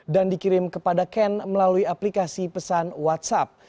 dan dikirim kepada ken melalui aplikasi pesan whatsapp